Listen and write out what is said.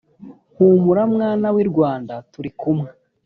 humura mwana w i rwanda turikumwe